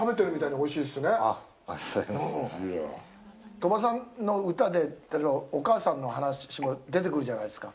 鳥羽さんの歌で、お母さんの話も出てくるじゃないですか。